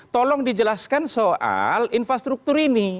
tolong dijelaskan soal infrastruktur ini